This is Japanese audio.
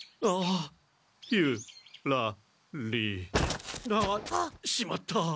あっしまった。